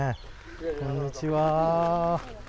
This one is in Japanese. こんにちは。